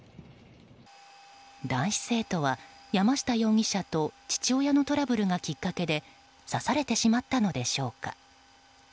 男子生徒は山下容疑者と父親のトラブルがきっかけで刺されてしまったのでしょうか。